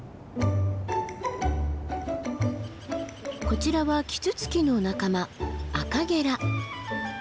こちらはキツツキの仲間アカゲラ。